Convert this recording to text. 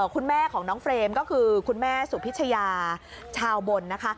คุณแม่ของน้องเฟรมก็คือคุณแม่สุพิชยาชาวบนนะคะ